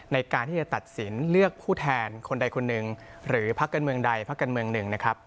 ในการที่จะตัดสินเลือกผู้แทนคนใดคนหนึ่งหรือพักกันเมืองใดพักการเมืองหนึ่งนะครับ